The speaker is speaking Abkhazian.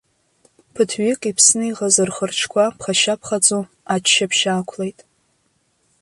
Ԥыҭҩык, иԥсны иҟаз рхы-рҿқәа ԥхашьа-ԥхаҵо аччаԥшь аақәлеит.